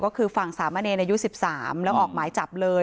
ก็คือฝั่งสามะเนรอายุ๑๓แล้วออกหมายจับเลย